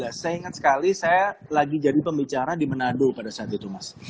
ya saya ingat sekali saya lagi jadi pembicara di menado pada saat itu mas